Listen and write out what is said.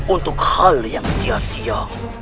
untuk hal yang sia sia